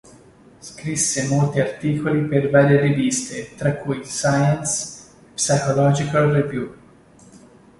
Scrisse molti articoli per varie riviste, tra cui "Science" e "Psychological Review".